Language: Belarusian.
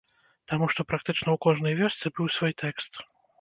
Таму што практычна ў кожнай вёсцы быў свой тэкст.